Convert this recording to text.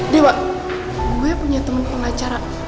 dewa gue punya teman pengacara